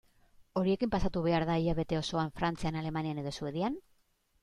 Horiekin pasatu behar da hilabete osoa Frantzian, Alemanian edo Suedian?